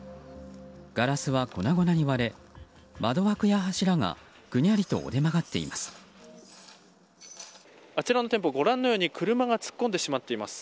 ガラスは粉々に割れ窓枠や柱がぐにゃりと折れ曲がっています。